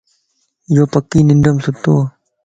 يوپڪي ننڍم ستووَ